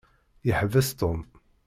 Yeḥbes Tom.